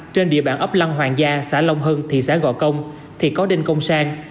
trên địa bàn ấp lăng hoàng gia xã long hân thị xã gò công thì có đêm công sang